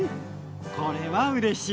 これはうれしい。